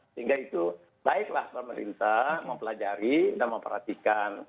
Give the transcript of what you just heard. sehingga itu baiklah pemerintah mempelajari dan memperhatikan